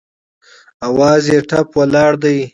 اواز یې ټپ ولاړ دی